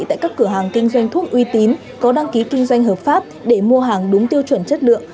tại các cửa hàng kinh doanh thuốc uy tín có đăng ký kinh doanh hợp pháp để mua hàng đúng tiêu chuẩn chất lượng